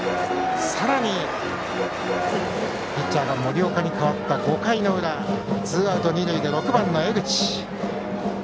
さらにピッチャーが森岡に代わった５回の裏ツーアウト二塁で６番の江口。